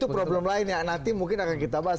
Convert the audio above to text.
itu problem lain yang nanti mungkin akan kita bahas